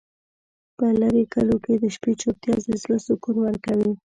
په لرې کلیو کې د شپې چوپتیا د زړه سکون ورکوي.